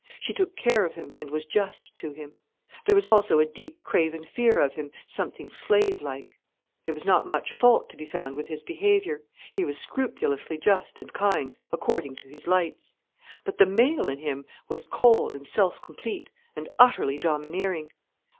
She took care of him and was just to him. There was also a deep craven fear of him, something slave like. There was not much fault to be found with his behaviour. He was scrupulously just and kind according to his lights. But the male in him was cold and self complete, and utterly domineering.